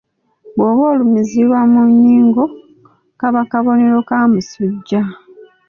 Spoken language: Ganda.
Bwoba olumizibwa mu nnyingo kaba kabonero ka musujja.